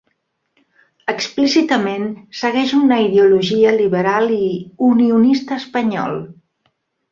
Explícitament segueix una ideologia liberal i unionista espanyol.